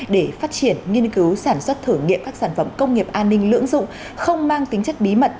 để phát triển nghiên cứu sản xuất thử nghiệm các sản phẩm công nghiệp an ninh lưỡng dụng không mang tính chất bí mật